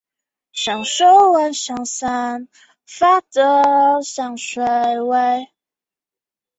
许多原住民群体从老一辈开始就会用绳子翻转出不同的花样。